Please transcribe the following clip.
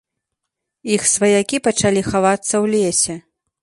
Іх сваякі пачалі хавацца ў лесе.